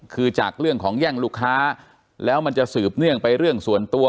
คือจากเรื่องของแย่งลูกค้าแล้วมันจะสืบเนื่องไปเรื่องส่วนตัว